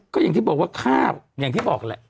ก็อย่างที่บอกว่าค่าที่บอกแหละ